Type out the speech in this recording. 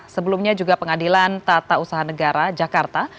sebelumnya juga pengadilan tata usaha negara jakarta